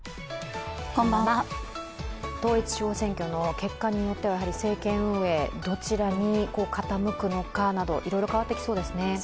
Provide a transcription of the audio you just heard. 統一地方選挙の結果によっては政権運営、どちらに傾くのかなどいろいろ変わってきそうですね。